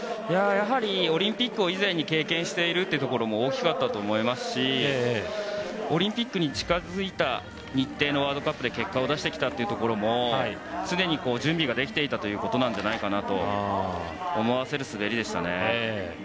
やはり、オリンピックを以前に経験しているところも大きかったと思いますしオリンピックに近づいた日程のワールドカップで結果を出してきたというところも常に準備ができていたということなんじゃないかと思わせる滑りでしたね。